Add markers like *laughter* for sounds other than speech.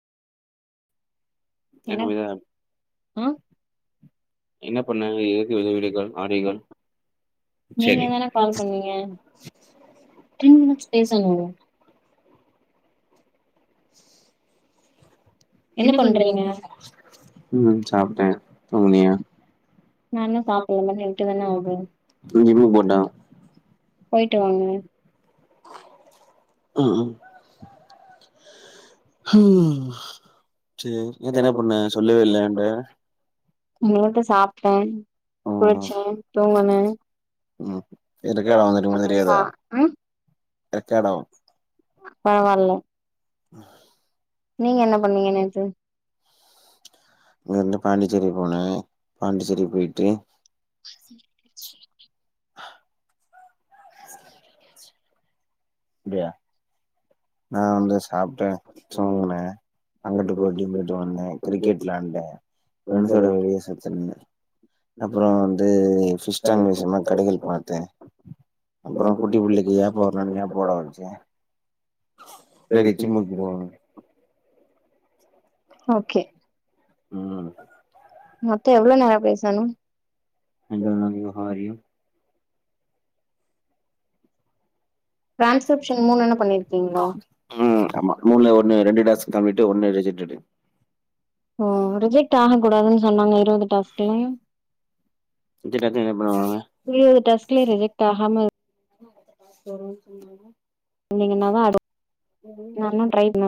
என்ன ஆ *unintelligible* நீங்க தானே கால் பண்ணீங்க டூ மினிட்ஸ் பேசனு என்ன பண்றீங்க ம் சாப்ட்டேன் தூங்குனியா நா இன்னு சாப்டல மணி எட்டு தான ஆவுது நா ஜிம்முக்கு போகட்டா போயிட்டு வாங்க ம் ம் ஹும் சேரி நேத்து என்ன பண்ணே சொல்லவே இல்ல‌ என்ட *unintelligible* சாப்ட்டே குளிச்சே தூங்குனே *unintelligible* அப்றோ சா ஆ எக்கேடோ பரவால உம் நீங்க என்ன பண்ணீங்க நேத்து இங்க இருந்து பாண்டிச்சேரி போனேன் பாண்டிச்சேரி போயிட்டு *unintelligible* ப்டியா நான் வந்து சாப்ட்டேன் தூங்குனே அங்கட்டு போயிட்டுங்கிட்டு அங்குட்டு போய்டு இங்குட்டு வந்தேன் கிரிக்கெட் விளையாண்டே ஃப்ரண்ஸ் ஓட வெளியே சுத்துன்னு அப்புறம் வந்து பிஷ்டேங் விஷயமா கடைகள் பார்த்தேன் அப்புறம் குட்டி புள்ளைக்கு ஏப்ப வரனூனு *unintelligible* ஓக்கே உம் மொத்தம் எவ்ளவு நேரம் பேசணும் ட்ரான்ஸ்கிரிப்ஷன் மூணுன்ன பண்ணிருக்கீங்லா ஆ ம் ஆமா மூன்னு ல ஒன்னு ரெண்டு டாஸ்க் கமிட்டு ஒண்ணே ரிஜெக்ட்டடு ஓ ரிஜெக்ட் ஆக கூடாதுன்னு சொன்னாங்க இருபது டாஸ்க்லயும் இருவது டெஸ்டலயு ரிஜெக்ட் ஆகாம *inaudible* நீங்க *unintelligible*